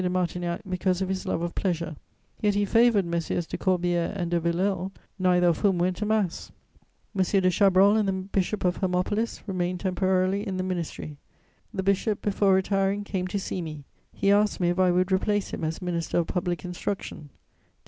de Martignac because of his love of pleasure, yet he favoured Messieurs de Corbière and de Villèle, neither of whom went to Mass. M. de Chabrol and the Bishop of Hermopolis remained temporarily in the ministry. The bishop, before retiring, came to see me; he asked me if I would replace him as Minister of Public Instruction: "Take M.